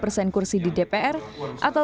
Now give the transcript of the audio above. pemilu pemilu adalah pemerintah yang berpengaruh